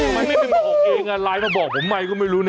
ไม่เป็นบางคนเองอะไรมาบอกผมไม่ก็ไม่รู้